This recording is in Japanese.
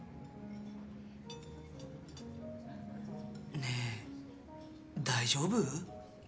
ねえ大丈夫？